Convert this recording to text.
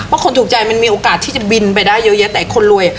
คนถูกใจมันมีโอกาสที่จะบินไปได้เยอะแยะแต่คนรวย